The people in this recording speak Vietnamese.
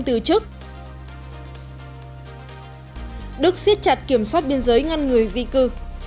đức siết chặt kiểm soát biên giới ngăn người di cư